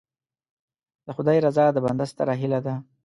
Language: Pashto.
د خدای رضا د بنده ستره هیله ده.